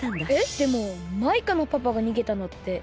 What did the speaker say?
でもマイカのパパがにげたのって宇宙でしょ？